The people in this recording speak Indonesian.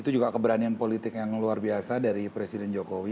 itu juga keberanian politik yang luar biasa dari presiden jokowi